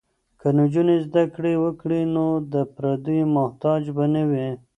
که نجونې زده کړې وکړي نو د پردیو محتاج به نه وي.